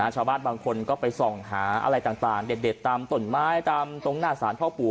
ชาวบ้านบางคนก็ไปส่องหาอะไรต่างเด็ดตามต้นไม้ตามตรงหน้าสารพ่อปู่